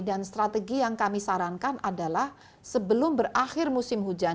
dan strategi yang kami sarankan adalah sebelum berakhir musim hujan